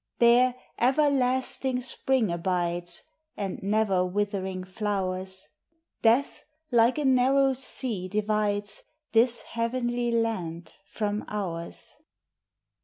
There everlasting spring abides, And never withering flowers; Death, like a narrow sea. divides This heavenly land from ours.